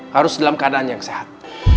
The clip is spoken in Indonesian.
harus dalam keadaan yang sehat